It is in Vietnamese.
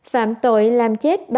phạm tội làm chết